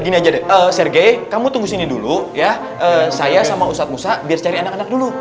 enggak jadi eh sergei kamu tunggu sini dulu ya saya sama ustadz musa biar saya anak anak dulu